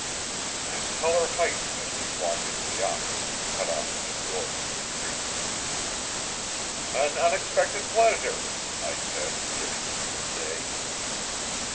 His color heightened as we walked into the office and cut off the two doors of retreat. "An unexpected pleasure," I said, giving him good day.